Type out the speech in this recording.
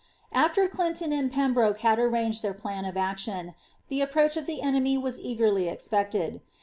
After Clinton and Pembroke had arranged their plan of action, the approach of the enemy was eagerly expected.